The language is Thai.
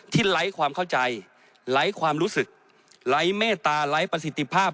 ไร้ความเข้าใจไร้ความรู้สึกไร้เมตตาไร้ประสิทธิภาพ